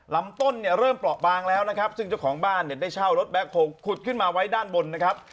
ลำต้นเนี่ยเริ่มเปราะบางแล้วนะครับซึ่งเจ้าของบ้านเนี่ยได้เช่ารถแบ็คโฮลขุดขึ้นมาไว้ด้านบนนะครับ